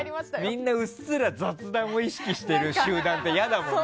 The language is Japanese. みんなうっすら雑談を意識してる集団っていやだもんね。